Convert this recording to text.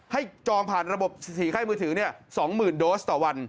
ให้จองผ่านระบบ๔ค่ายมือถือ๒๐๐๐๐โดสต่อวัน